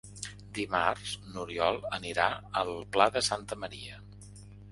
Dimarts n'Oriol anirà al Pla de Santa Maria.